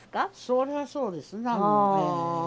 そりゃあそうですなあ。